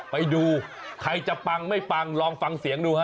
ไปดูใครจะปังไม่ปังลองฟังเสียงดูฮะ